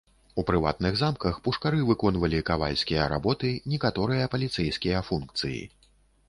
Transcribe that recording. У прыватных замках пушкары выконвалі кавальскія работы, некаторыя паліцэйскія функцыі.